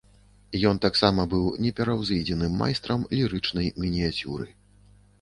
Ён таксама быў непераўзыдзеным майстрам лірычнай мініяцюры.